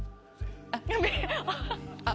あっ。